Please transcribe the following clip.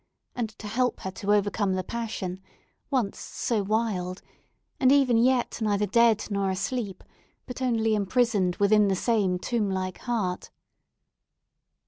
—and to help her to overcome the passion, once so wild, and even yet neither dead nor asleep, but only imprisoned within the same tomb like heart?